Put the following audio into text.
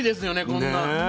こんな。